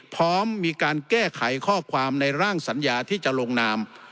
พร้อมมีการแก้ไขข้อความในร่างสัญญาที่จะลงนาม